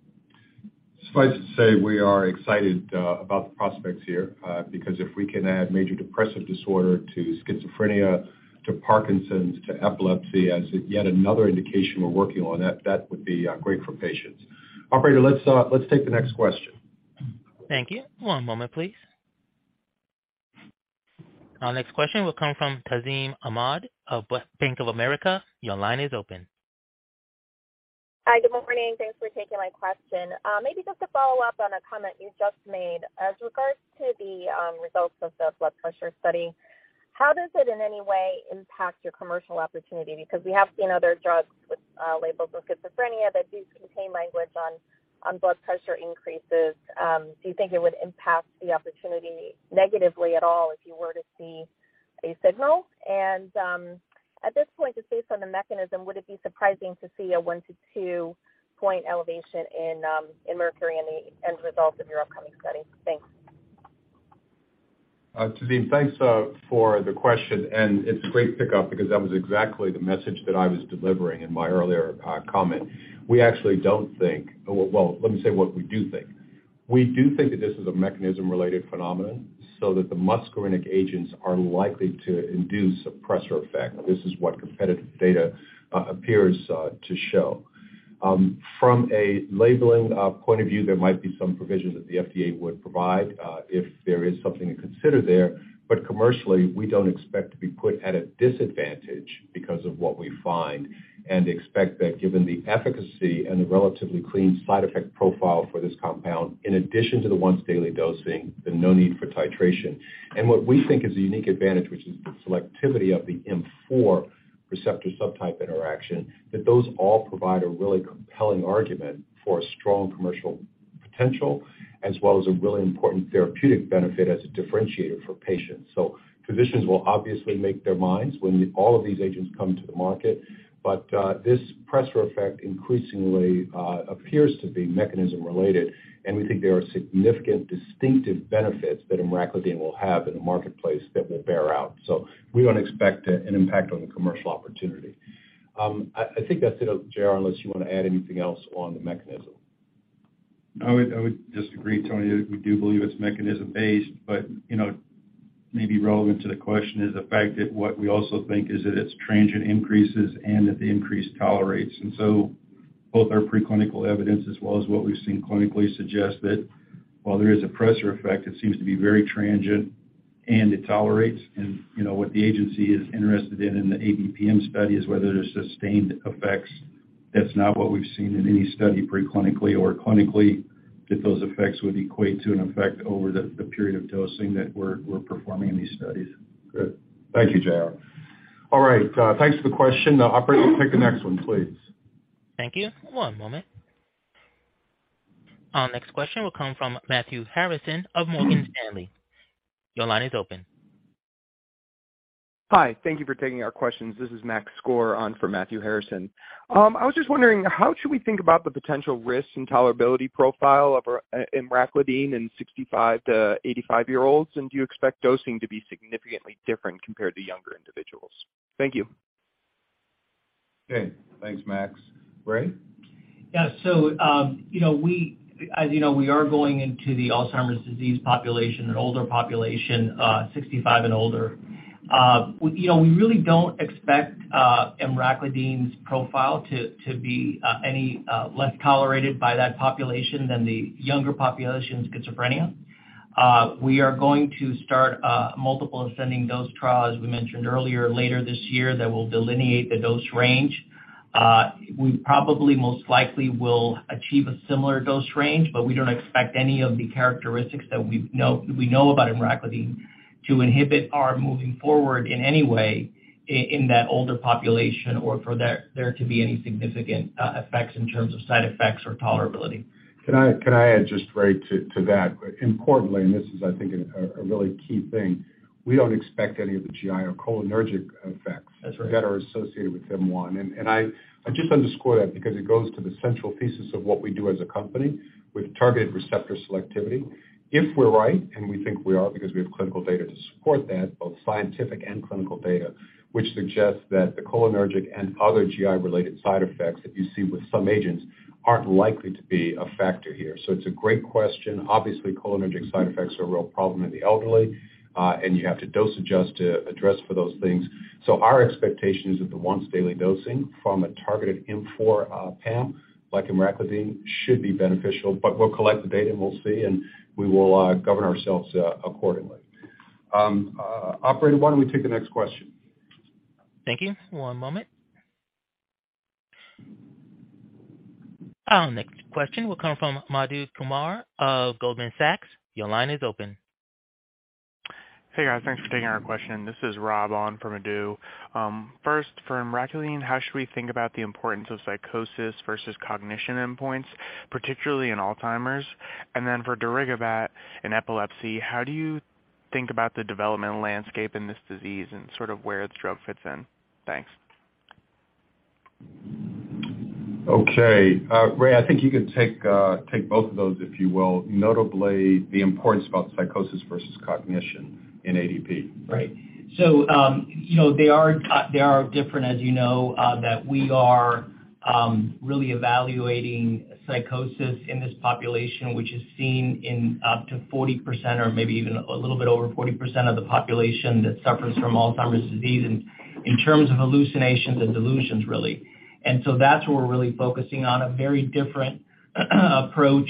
Suffice to say, we are excited about the prospects here, because if we can add major depressive disorder to schizophrenia, to Parkinson's, to epilepsy as yet another indication we're working on, that would be great for patients. Operator, let's take the next question. Thank you. One moment, please. Our next question will come from Tazeen Ahmad of Bank of America. Your line is open. Hi, good morning. Thanks for taking my question. Maybe just to follow up on a comment you just made. As regards to the results of the blood pressure study, how does it in any way impact your commercial opportunity? We have seen other drugs with labels of schizophrenia that do contain language on blood pressure increases. Do you think it would impact the opportunity negatively at all if you were to see a signal? At this point, just based on the mechanism, would it be surprising to see a 1 to 2-point elevation in mercury in the end result of your upcoming study? Thanks. Tazeen, thanks for the question. It's a great pickup because that was exactly the message that I was delivering in my earlier comment. Well, let me say what we do think. We do think that this is a mechanism-related phenomenon so that the muscarinic agents are likely to induce a pressure effect. This is what competitive data appears to show. From a labeling point of view, there might be some provision that the FDA would provide if there is something to consider there. Commercially, we don't expect to be put at a disadvantage because of what we find and expect that given the efficacy and the relatively clean side effect profile for this compound, in addition to the once-daily dosing, the no need for titration. What we think is a unique advantage, which is the selectivity of the M4 receptor subtype interaction, that those all provide a really compelling argument for a strong commercial potential as well as a really important therapeutic benefit as a differentiator for patients. Physicians will obviously make their minds when all of these agents come to the market. This pressure effect increasingly appears to be mechanism related, and we think there are significant distinctive benefits that emraclidine will have in the marketplace that will bear out. We don't expect an impact on the commercial opportunity. I think that's it, JR, unless you want to add anything else on the mechanism. I would just agree, Tony. We do believe it's mechanism-based. Maybe relevant to the question is the fact that what we also think is that it's transient increases and that the increase tolerates. Both our preclinical evidence as well as what we've seen clinically suggest that while there is a pressure effect, it seems to be very transient and it tolerates. What the agency is interested in in the ABPM study is whether there's sustained effects. That's not what we've seen in any study preclinically or clinically, that those effects would equate to an effect over the period of dosing that we're performing in these studies. Good. Thank you, J.R. All right. Thanks for the question. Operator, take the next one, please. Thank you. One moment. Our next question will come from Matthew Harrison of Morgan Stanley. Your line is open. Hi. Thank you for taking our questions. This is Max Skor on for Matthew Harrison. I was just wondering, how should we think about the potential risks and tolerability profile of emraclidine in 65 to 85-year-olds? Do you expect dosing to be significantly different compared to younger individuals? Thank you. Okay. Thanks, Max. Ray? Yeah. As you know, we are going into the Alzheimer's Disease population, an older population, 65 and older. We really don't expect emraclidine's profile to be any less tolerated by that population than the younger population in schizophrenia. We are going to start multiple ascending dose trials, as we mentioned earlier, later this year that will delineate the dose range. We probably most likely will achieve a similar dose range, but we don't expect any of the characteristics that we know about emraclidine to inhibit our moving forward in any way in that older population, or for there to be any significant effects in terms of side effects or tolerability. Can I add just right to that? Importantly, this is, I think, a really key thing, we don't expect any of the GI or cholinergic effects- That's right. that are associated with M1. I just underscore that because it goes to the central thesis of what we do as a company with targeted receptor selectivity. If we're right, we think we are because we have clinical data to support that, both scientific and clinical data, which suggests that the cholinergic and other GI-related side effects that you see with some agents aren't likely to be a factor here. It's a great question. Obviously, cholinergic side effects are a real problem in the elderly. You have to dose adjust to address for those things. Our expectation is that the once-daily dosing from a targeted M4 PAM, like emraclidine, should be beneficial. We'll collect the data, we'll see, and we will govern ourselves accordingly. Operator, why don't we take the next question? Thank you. One moment. Our next question will come from Madhu Kumar of Goldman Sachs. Your line is open. Hey, guys. Thanks for taking our question. This is Rob on for Madhu. First, for emraclidine, how should we think about the importance of psychosis versus cognition endpoints, particularly in Alzheimer's? For darigabat in epilepsy, how do you think about the developmental landscape in this disease and sort of where this drug fits in? Thanks. Okay. Ray, I think you can take both of those, if you will. Notably, the importance about psychosis versus cognition in ADP. Right. They are different, as you know, that we are really evaluating psychosis in this population, which is seen in up to 40% or maybe even a little bit over 40% of the population that suffers from Alzheimer's disease, and in terms of hallucinations and delusions, really. That's where we're really focusing on a very different approach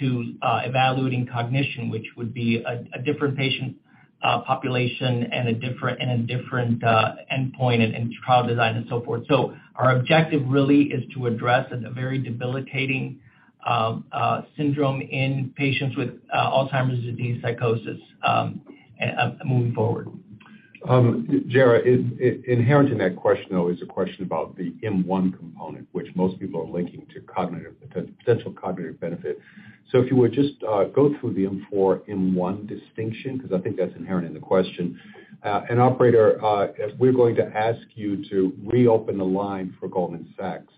to evaluating cognition, which would be a different patient population and a different endpoint and trial design and so forth. Our objective really is to address a very debilitating syndrome in patients with Alzheimer's disease psychosis moving forward. J.R., inherent in that question, though, is a question about the M1 component, which most people are linking to potential cognitive benefit. If you would just go through the M4, M1 distinction, because I think that's inherent in the question. Operator, we're going to ask you to reopen the line for Goldman Sachs,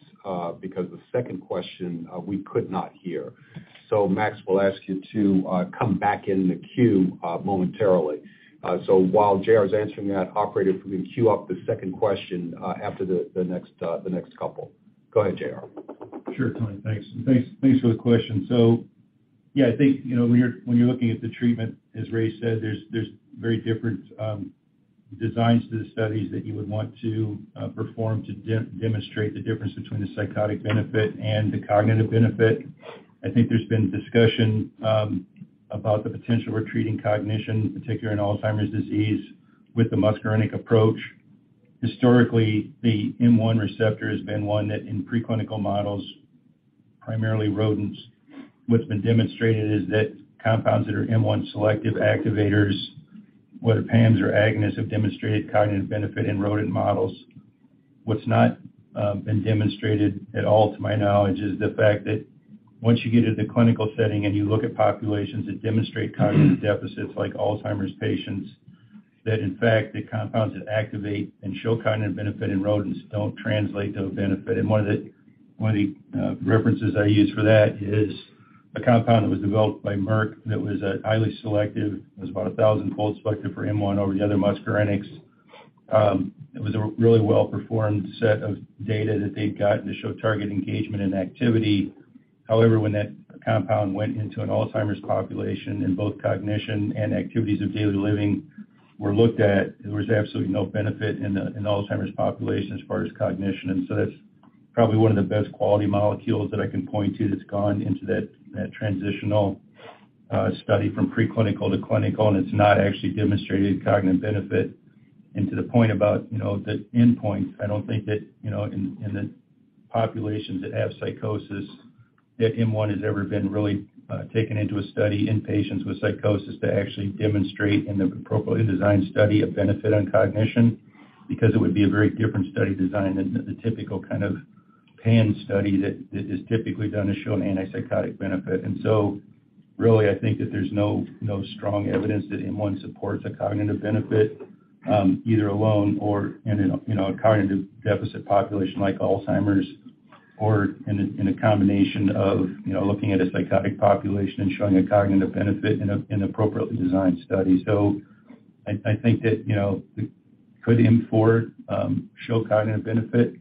because the second question we could not hear. Max, we'll ask you to come back in the queue momentarily. While J.R.'s answering that, Operator, if we can queue up the second question after the next couple. Go ahead, J.R. Sure, Tony. Thanks. Thanks for the question. Yeah, I think, when you're looking at the treatment, as Ray said, there's very different designs to the studies that you would want to perform to demonstrate the difference between the psychotic benefit and the cognitive benefit. I think there's been discussion about the potential for treating cognition, particularly in Alzheimer's disease, with the muscarinic approach. Historically, the M1 receptor has been one that in pre-clinical models, primarily rodents, what's been demonstrated is that compounds that are M1 selective activators, whether PAMs or agonists, have demonstrated cognitive benefit in rodent models. What's not been demonstrated at all, to my knowledge, is the fact that once you get into the clinical setting and you look at populations that demonstrate cognitive deficits like Alzheimer's patients, that in fact, the compounds that activate and show cognitive benefit in rodents don't translate to a benefit. One of the references I use for that is a compound that was developed by Merck that was highly selective. It was about 1,000 fold selective for M1 over the other muscarinics. It was a really well-performed set of data that they'd gotten to show target engagement and activity. However, when that compound went into an Alzheimer's population in both cognition and activities of daily living were looked at, there was absolutely no benefit in the Alzheimer's population as far as cognition. That's probably one of the best quality molecules that I can point to that's gone into that transitional study from pre-clinical to clinical, and it's not actually demonstrated cognitive benefit. To the point about the endpoint, I don't think that in the populations that have psychosis, that M1 has ever been really taken into a study in patients with psychosis to actually demonstrate in an appropriately designed study a benefit on cognition, because it would be a very different study design than the typical kind of PAM study that is typically done to show an antipsychotic benefit. Really, I think that there's no strong evidence that M1 supports a cognitive benefit, either alone or in a cognitive deficit population like Alzheimer's, or in a combination of looking at a psychotic population and showing a cognitive benefit in an appropriately designed study. I think that could M4 show cognitive benefit?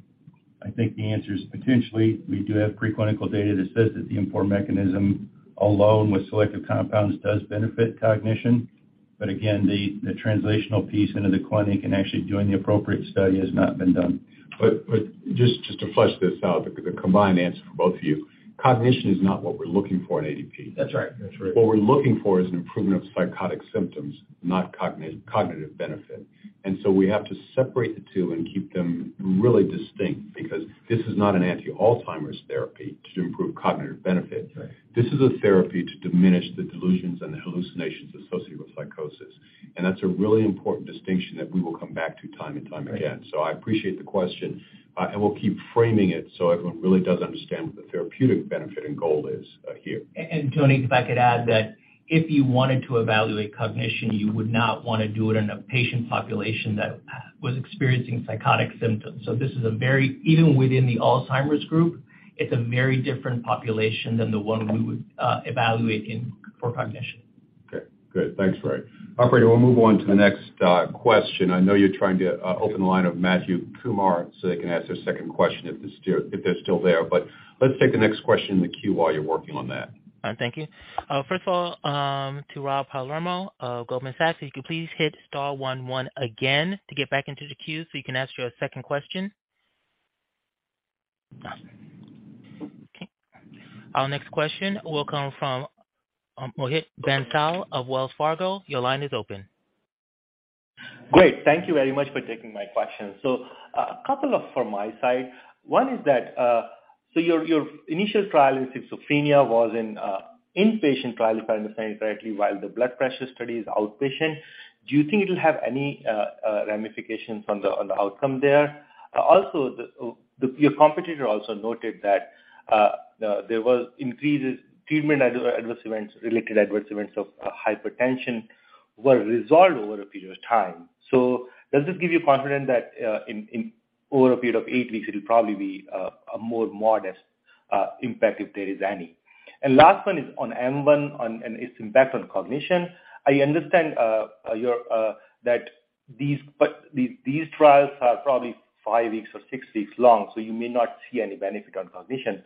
I think the answer is potentially. We do have pre-clinical data that says that the M4 mechanism alone with selective compounds does benefit cognition. Again, the translational piece into the clinic and actually doing the appropriate study has not been done. Just to flesh this out, the combined answer from both of you, cognition is not what we're looking for in ADP. That's right. That's right. What we're looking for is an improvement of psychotic symptoms, not cognitive benefit. We have to separate the two and keep them really distinct, because this is not an anti-Alzheimer's therapy to improve cognitive benefit. Right. This is a therapy to diminish the delusions and the hallucinations associated with psychosis. That's a really important distinction that we will come back to time and time again. Right. I appreciate the question. We'll keep framing it so everyone really does understand what the therapeutic benefit and goal is here. Tony, if I could add that if you wanted to evaluate cognition, you would not want to do it in a patient population that was experiencing psychotic symptoms. Even within the Alzheimer's group, it's a very different population than the one we would evaluate for cognition. Okay, good. Thanks, Ray. Operator, we'll move on to the next question. I know you're trying to open the line of Madhu Kumar so they can ask their second question if they're still there. Let's take the next question in the queue while you're working on that. All right. Thank you. First of all, to Robert Palermo of Goldman Sachs, if you could please hit star one one again to get back into the queue so you can ask your second question. Okay. Our next question will come from Mohit Bansal of Wells Fargo. Your line is open. Great. Thank you very much for taking my question. A couple of from my side. One is that, your initial trial in schizophrenia was an inpatient trial, if I understand correctly, while the blood pressure study is outpatient. Do you think it'll have any ramifications on the outcome there? Also, your competitor also noted that there was increased treatment-related adverse events of hypertension were resolved over a period of time. Does this give you confidence that over a period of eight weeks, it'll probably be a more modest impact, if there is any? Last one is on M1 and its impact on cognition. I understand that these trials are probably five weeks or six weeks long, so you may not see any benefit on cognition.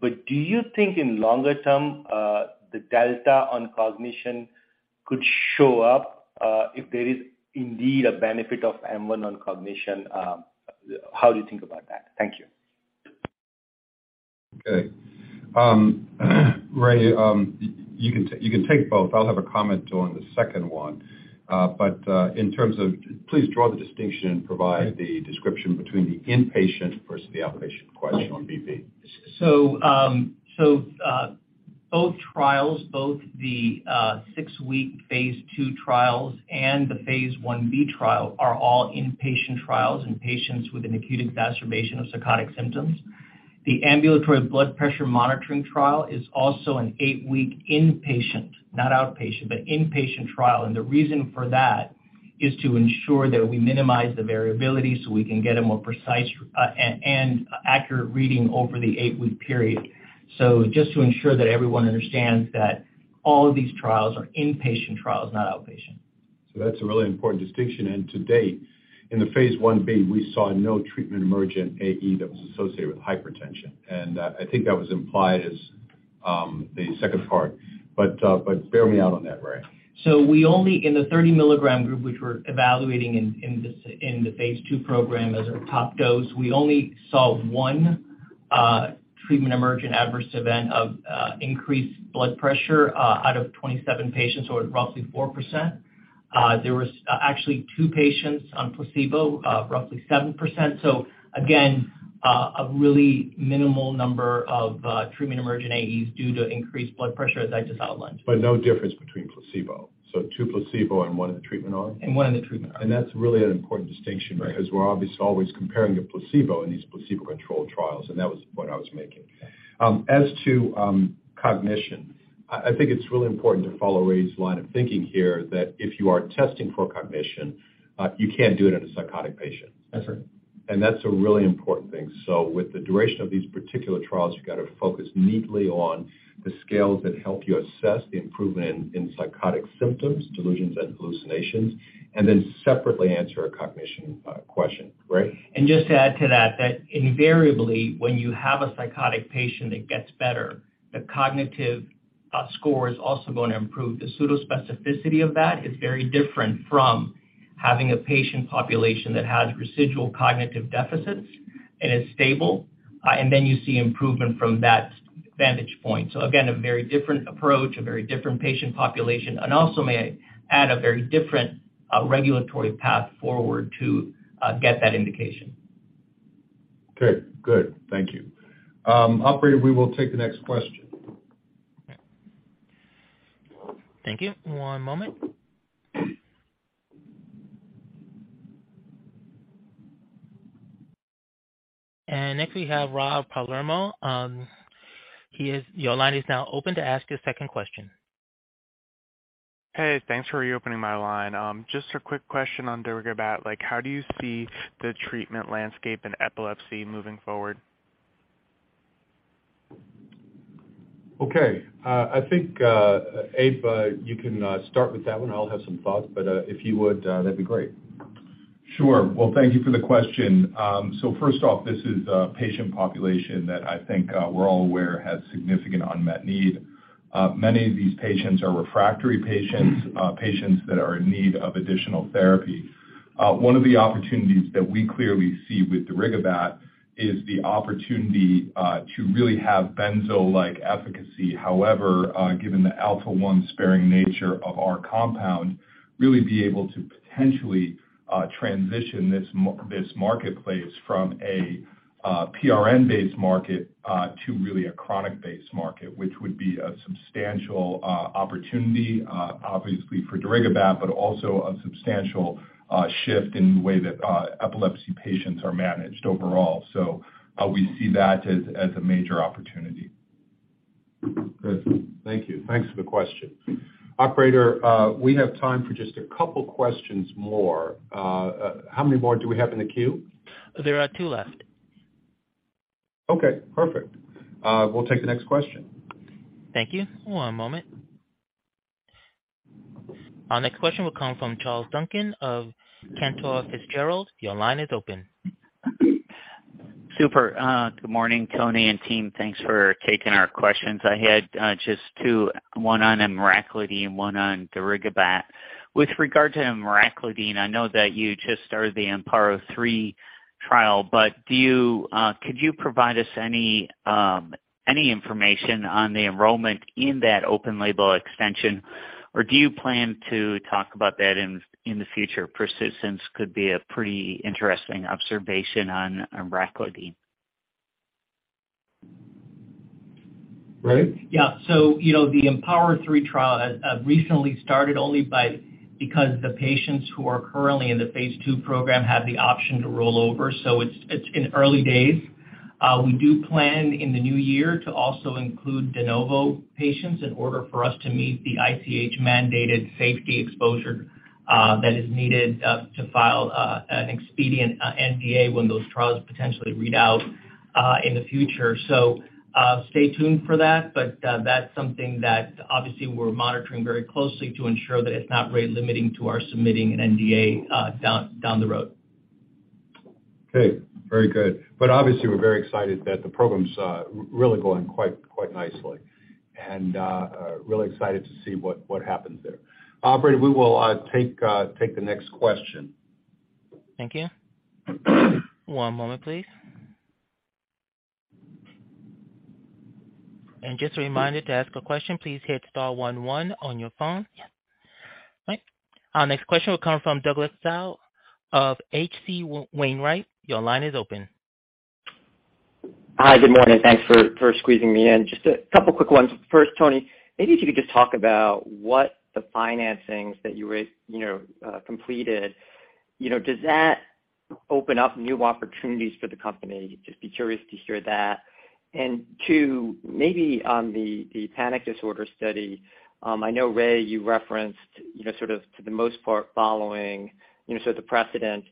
Do you think in longer term, the delta on cognition could show up if there is indeed a benefit of M1 on cognition? How do you think about that? Thank you. Ray, you can take both. I'll have a comment on the second one. Please draw the distinction and provide the description between the inpatient versus the outpatient question on BP. Both trials, both the six-week phase II trials and the phase I-B trial are all inpatient trials in patients with an acute exacerbation of psychotic symptoms. The ambulatory blood pressure monitoring trial is also an eight-week inpatient, not outpatient, but inpatient trial. The reason for that is to ensure that we minimize the variability so we can get a more precise and accurate reading over the eight-week period. Just to ensure that everyone understands that all of these trials are inpatient trials, not outpatient. That's a really important distinction. To date, in the phase I-B, we saw no treatment-emergent AE that was associated with hypertension. I think that was implied as the second part. Bear me out on that, Ray. In the 30 milligram group, which we're evaluating in the phase II program as a top dose, we only saw one treatment-emergent adverse event of increased blood pressure out of 27 patients, or roughly 4%. There was actually two patients on placebo, roughly 7%. Again, a really minimal number of treatment-emergent AEs due to increased blood pressure, as I just outlined. No difference between placebo. Two placebo and one in the treatment arm? One in the treatment arm. That's really an important distinction. Right Because we're obviously always comparing to placebo in these placebo-controlled trials, and that was the point I was making. Right. As to cognition, I think it's really important to follow Ray's line of thinking here, that if you are testing for cognition, you can't do it in a psychotic patient. That's right. That's a really important thing. With the duration of these particular trials, you've got to focus neatly on the scales that help you assess the improvement in psychotic symptoms, delusions, and hallucinations, then separately answer a cognition question. Ray? Just to add to that invariably, when you have a psychotic patient that gets better, the cognitive score is also going to improve. The pseudo specificity of that is very different from having a patient population that has residual cognitive deficits and is stable, then you see improvement from that vantage point. Again, a very different approach, a very different patient population, also may I add, a very different regulatory path forward to get that indication. Okay. Good. Thank you. Operator, we will take the next question. Thank you. One moment. Next we have Robert Palermo. Your line is now open to ask your second question. Hey, thanks for reopening my line. Just a quick question on darigabat. How do you see the treatment landscape in epilepsy moving forward? Okay. I think, Abe, you can start with that one. I'll have some thoughts, but if you would, that'd be great. Well, thank you for the question. First off, this is a patient population that I think we're all aware has significant unmet need. Many of these patients are refractory patients that are in need of additional therapy. One of the opportunities that we clearly see with darigabat is the opportunity to really have benzo-like efficacy. However, given the alpha-1 sparing nature of our compound, really be able to potentially transition this marketplace from a PRN-based market to really a chronic-based market, which would be a substantial opportunity, obviously for darigabat, but also a substantial shift in the way that epilepsy patients are managed overall. We see that as a major opportunity. Good. Thank you. Thanks for the question. Operator, we have time for just a couple questions more. How many more do we have in the queue? There are two left. Okay, perfect. We'll take the next question. Thank you. One moment. Our next question will come from Charles Duncan of Cantor Fitzgerald. Your line is open. Super. Good morning, Tony and team. Thanks for taking our questions. I had just two, one on emraclidine, one on darigabat. With regard to emraclidine, I know that you just started the EMPOWER-3 trial, but could you provide us any information on the enrollment in that open label extension, or do you plan to talk about that in the future? Persistence could be a pretty interesting observation on emraclidine. Ray? Yeah. The EMPOWER-3 trial has recently started only because the patients who are currently in the phase II program have the option to roll over. It's in early days. We do plan in the new year to also include de novo patients in order for us to meet the ICH-mandated safety exposure that is needed to file an expedient NDA when those trials potentially read out in the future. Stay tuned for that, but that's something that obviously we're monitoring very closely to ensure that it's not rate limiting to our submitting an NDA down the road. Okay. Very good. Obviously, we're very excited that the program's really going quite nicely, and really excited to see what happens there. Operator, we will take the next question. Thank you. One moment, please. Just a reminder to ask a question, please hit star 11 on your phone. Yes. Right. Our next question will come from Douglas Tsao of H.C. Wainwright. Your line is open. Hi. Good morning. Thanks for squeezing me in. Just a couple quick ones. First, Tony, maybe if you could just talk about what the financings that you completed. Does that open up new opportunities for the company? Just be curious to hear that. Two, maybe on the panic disorder study. I know, Ray, you referenced sort of to the most part following the precedent,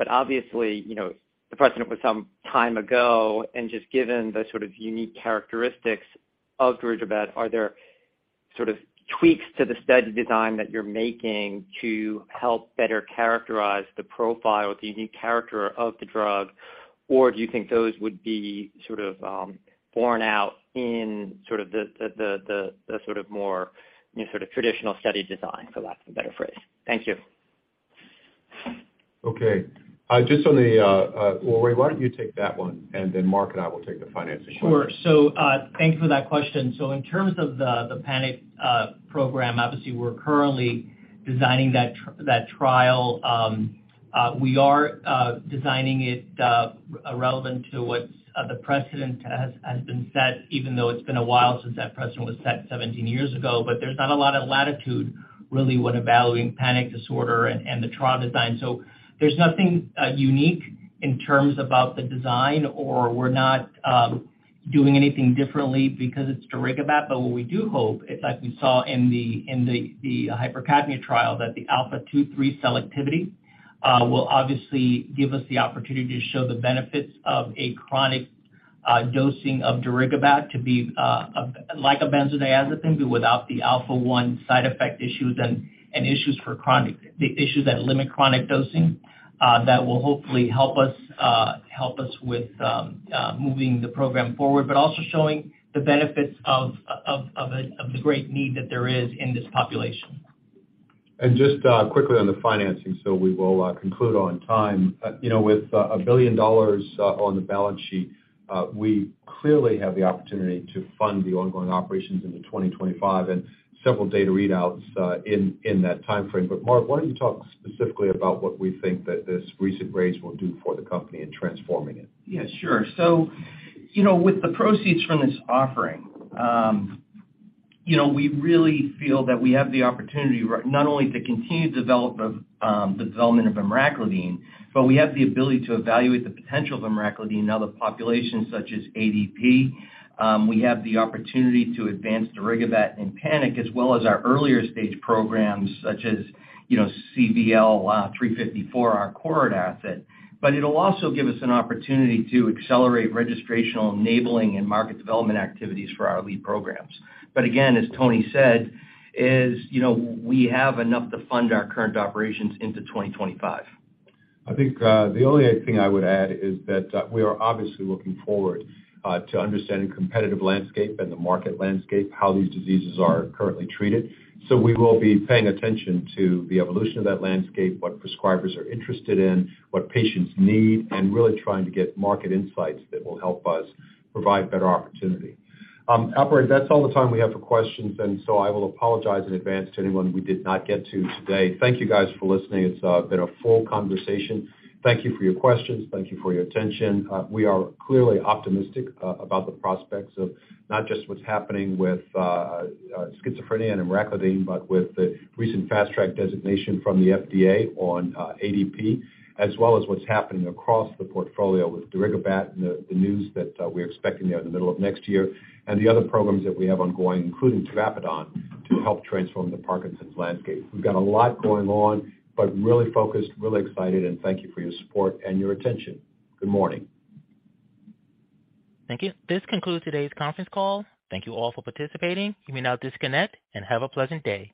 but obviously, the precedent was some time ago, and just given the sort of unique characteristics of darigabat, are there sort of tweaks to the study design that you're making to help better characterize the profile or the unique character of the drug? Or do you think those would be sort of borne out in the more traditional study design? For lack of a better phrase. Thank you. Okay. Ray, why don't you take that one, and then Mark and I will take the financing question. Sure. Thank you for that question. In terms of the panic program, obviously, we are currently designing that trial. We are designing it relevant to what the precedent has been set, even though it has been a while since that precedent was set 17 years ago. There is not a lot of latitude, really, when evaluating panic disorder and the trial design. There is nothing unique in terms about the design, or we are not doing anything differently because it is darigabat. What we do hope is, like we saw in the hypercapnia trial, that the alpha-2, 3 cell activity will obviously give us the opportunity to show the benefits of a chronic dosing of darigabat to be like a benzodiazepine, without the alpha-1 side effect issues and issues that limit chronic dosing. That will hopefully help us with moving the program forward, but also showing the benefits of the great need that there is in this population. Just quickly on the financing, we will conclude on time. With $1 billion on the balance sheet, we clearly have the opportunity to fund the ongoing operations into 2025 and several data readouts in that timeframe. Mark, why don't you talk specifically about what we think that this recent raise will do for the company in transforming it? Sure. With the proceeds from this offering, we really feel that we have the opportunity not only to continue the development of emraclidine, but we have the ability to evaluate the potential of emraclidine in other populations such as ADP. We have the opportunity to advance darigabat in panic, as well as our earlier stage programs such as CVL-354, our KOR asset. It will also give us an opportunity to accelerate registrational enabling and market development activities for our lead programs. Again, as Tony said, we have enough to fund our current operations into 2025. I think the only thing I would add is that we are obviously looking forward to understanding competitive landscape and the market landscape, how these diseases are currently treated. We will be paying attention to the evolution of that landscape, what prescribers are interested in, what patients need, and really trying to get market insights that will help us provide better opportunity. Operator, that's all the time we have for questions. I will apologize in advance to anyone we did not get to today. Thank you guys for listening. It's been a full conversation. Thank you for your questions. Thank you for your attention. We are clearly optimistic about the prospects of not just what's happening with schizophrenia and emraclidine, but with the recent Fast Track designation from the FDA on ADP, as well as what's happening across the portfolio with darigabat and the news that we're expecting there in the middle of next year, and the other programs that we have ongoing, including tavapadon, to help transform the Parkinson's landscape. We've got a lot going on, but really focused, really excited, and thank you for your support and your attention. Good morning. Thank you. This concludes today's conference call. Thank you all for participating. You may now disconnect and have a pleasant day.